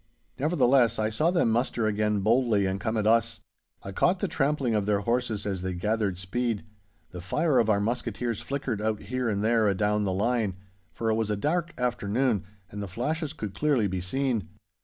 Nevertheless, I saw them muster again boldly and come at us. I caught the trampling of their horses as they gathered speed. The fire of our musketeers flickered out here and there adown the line, for it was a dark afternoon and the flashes could clearly be seen.